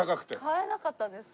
買えなかったんですか？